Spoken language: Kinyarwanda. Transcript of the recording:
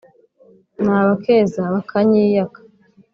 nabakeza bakanyiyaka,